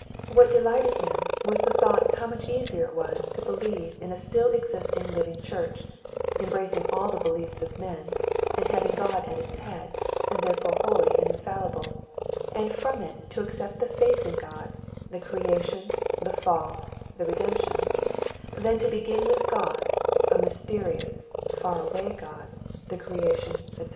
What delighted him was the thought how much easier it was to believe in a still existing living church, embracing all the beliefs of men, and having God at its head, and therefore holy and infallible, and from it to accept the faith in God, in the creation, the fall, the redemption, than to begin with God, a mysterious, far away God, the creation, etc.